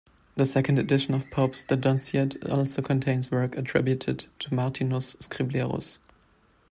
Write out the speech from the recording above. The second edition of Pope's "The Dunciad" also contains work attributed to Martinus Scriblerus.